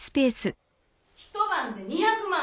・一晩で２００万！？